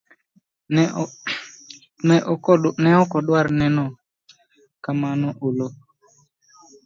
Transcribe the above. Ne okodwar neno ka ng'ama olo.